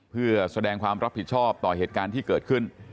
เพื่อแสดงความรับผิดชอบต่อเหตุการณ์ที่เกิดขึ้น